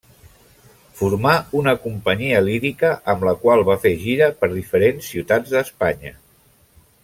Formà una companyia lírica amb la qual va fer gira per diferents ciutats d'Espanya.